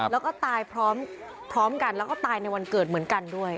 แล้วก็ตายพร้อมกันแล้วก็ตายในวันเกิดเหมือนกันด้วย